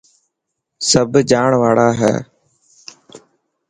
سڀ جاڻ واڙا هي.